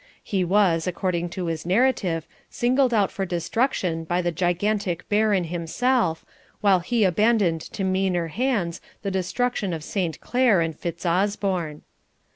He was, according to his narrative, singled out for destruction by the gigantic Baron himself, while he abandoned to meaner hands the destruction of Saint Clere and Fitzosborne.